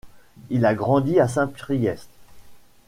Il a grandi à Saint-Priest.